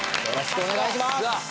よろしくお願いします！